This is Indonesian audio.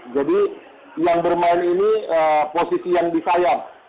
jadi yang bermain ini posisi yang dikayak